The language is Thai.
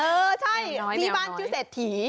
เออใช่ที่บ้านชื่อเศรษฐี